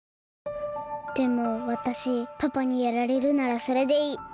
でもわたしパパにやられるならそれでいい。